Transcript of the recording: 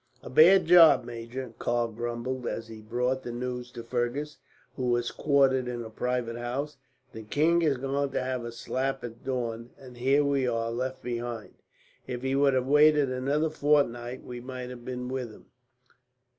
"A bad job, major," Karl grumbled as he brought the news to Fergus, who was quartered in a private house. "The king has gone to have a slap at Daun; and here are we, left behind. If he would have waited another fortnight, we might have been with him."